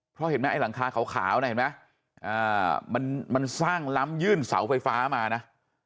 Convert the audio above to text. เพราะเห็นไหมไอ้หลังคาขาวนะเห็นไหมมันสร้างล้ำยื่นเสาไฟฟ้ามานะ